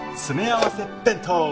詰め合わせ弁当！